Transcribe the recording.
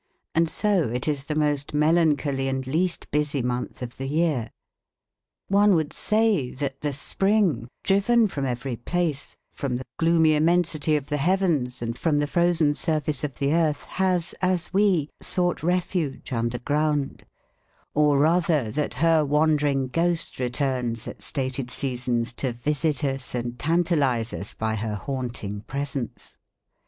And so it is the most melancholy and least busy month of the year. One would say that the Spring driven from every place, from the gloomy immensity of the heavens and from the frozen surface of the earth has, as we, sought refuge under ground; or rather that her wandering ghost returns at stated seasons to visit us and tantalise us by her haunting presence.